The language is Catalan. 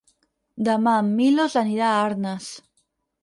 Demà en Milos anirà a Arnes.